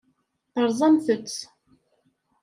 Terẓamt-t.